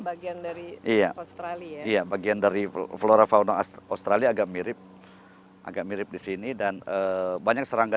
bagian dari iya australia iya bagian dari flora fauna australia agak mirip agak mirip di sini dan banyak serangga